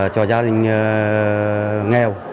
cho gia đình nghèo